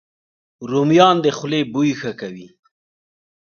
رومیان د خولې بوی ښه کوي